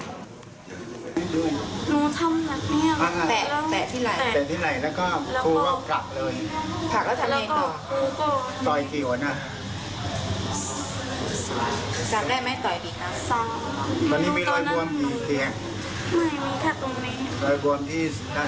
เดี๋ยวเขาจะจับเขาจะแจ้งนายจับครู